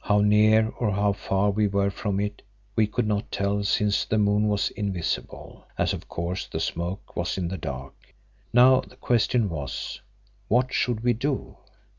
How near or how far we were from it, we could not tell since the moon was invisible, as of course the smoke was in the dark. Now the question was, what should we do?